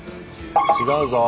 違うぞ。